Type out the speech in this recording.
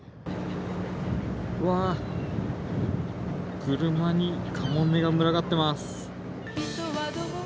わー、車にカモメが群がってます。